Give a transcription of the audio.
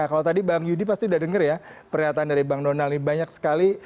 kalau tadi bang yudi pasti sudah dengar ya pernyataan dari bang donal ini banyak sekali